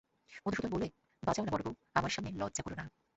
মধূসূদন বললে, বাজাও-না বড়োবউ, আমার সামনে লজ্জা কোরো না।